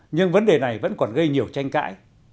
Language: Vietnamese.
nhưng vấn đề này vẫn còn gây nhiều tranh cãi